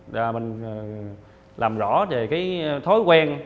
và mình làm rõ về cái thói quen